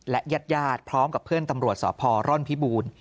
และญาติพร้อมกับเพื่อนตำรวจสพร่อนพิบูรณ์